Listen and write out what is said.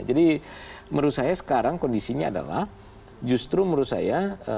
jadi menurut saya sekarang kondisinya adalah justru menurut saya